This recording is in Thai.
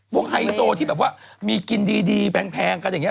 ไฮโซที่แบบว่ามีกินดีแพงกันอย่างนี้